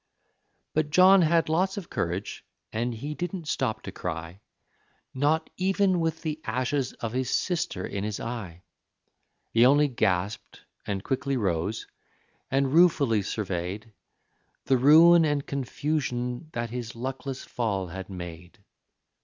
But John had lots of courage, and he didn't stop to cry, Not even with the ashes of his sister in his eye; He only gasped, and quickly rose, and ruefully surveyed The ruin and confusion that his luckless fall had made.